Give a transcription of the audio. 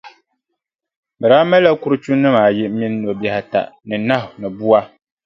Bɛ daa malila kurichunima ayi mini nobihi ata ni nahu ni bua.